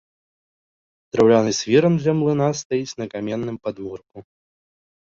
Драўляны свіран ля млына стаіць на каменным падмурку.